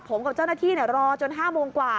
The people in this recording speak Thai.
ผมกับเจ้าหน้าที่รอจน๕โมงกว่า